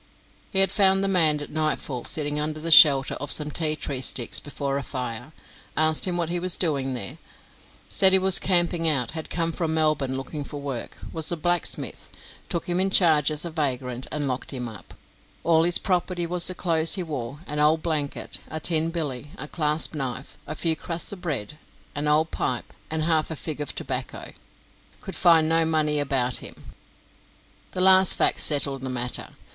He had found the man at nightfall sitting under the shelter of some tea tree sticks before a fire; asked him what he was doing there; said he was camping out; had come from Melbourne looking for work; was a blacksmith; took him in charge as a vagrant, and locked him up; all his property was the clothes he wore, an old blanket, a tin billy, a clasp knife, a few crusts of bread, and old pipe, and half a fig of tobacco; could find no money about him. That last fact settled the matter.